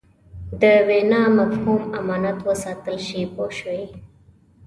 د وینا مفهوم امانت وساتل شي پوه شوې!.